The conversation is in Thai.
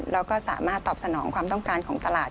แล้วก็สามารถตอบสนองความต้องการของตลาด